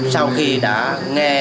sau khi đã nghe